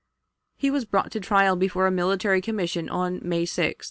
He was brought to trial before a military commission on May 6th.